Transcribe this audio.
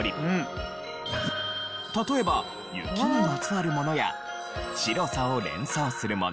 例えば雪にまつわるものや白さを連想するもの。